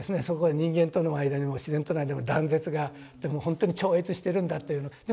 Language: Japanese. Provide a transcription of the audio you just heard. そこは人間との間にも自然との間にも断絶がでもほんとに超越しているんだというの。